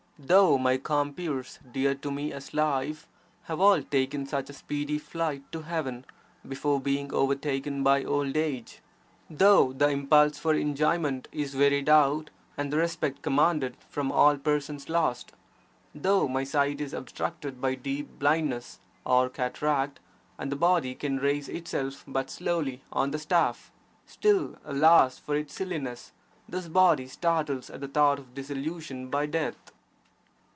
Though my compeers, dear to me as life, have all taken such a speedy flight to heaven (before being overtaken by old age); though the impulse for enjoyment is wearied out and the respect commanded from all persons lost; though my sight is obstructed by deep blindness (or cataract) and the body can raise itself but slowly on the staff; still, alas for its silliness, this body startles at the thought of dissolution by death!